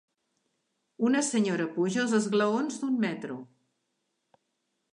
Una senyora puja els esglaons d'un metro.